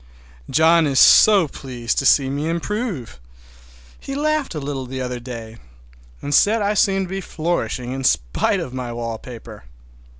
John is so pleased to see me improve! He laughed a little the other day, and said I seemed to be flourishing in spite of my wallpaper.